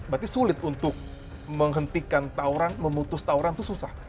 berarti sulit untuk menghentikan tawuran memutus tawuran itu susah